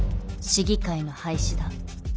市議会の廃止だ。